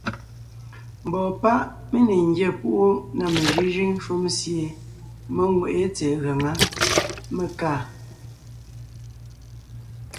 Mbɔɔ páʼ mé ne ńgyá púʼu na mejʉ́jʉ́ŋ shúm sie mé ŋweʼé tsɛ̀ɛ gaŋá, mé kaa.